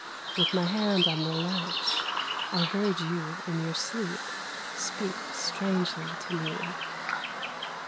With my hand on the latch I heard you in your sleep speak strangely to me.